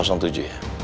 kamar tujuh ya